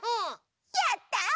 やった！